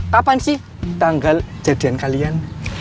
kapan sih tanggal jadian kalian